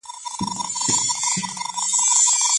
ایا واړه پلورونکي وچ توت پروسس کوي؟